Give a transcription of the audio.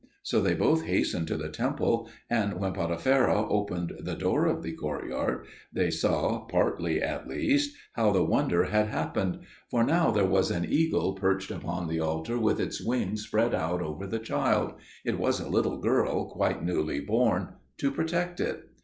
So they both hastened to the temple, and when Potipherah opened the door of the courtyard, they saw, partly at least, how the wonder had happened; for now there was an eagle perched upon the altar with its wings spread out over the child it was a little girl, quite newly born to protect it.